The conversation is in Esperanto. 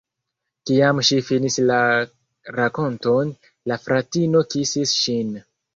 Kiam ŝi finis la rakonton, la fratino kisis ŝin.